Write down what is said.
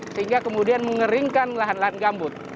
sehingga kemudian mengeringkan lahan lahan gambut